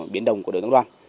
biến đồng của đối tượng đoàn